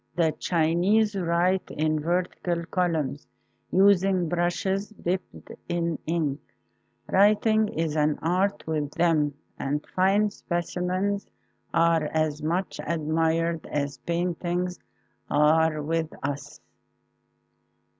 The Chinese write in vertical columns using brushes dipped in ink. Writing is an art with them and fine specimens are as much admired as paintings are with us.